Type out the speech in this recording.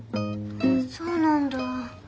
そうなんだ。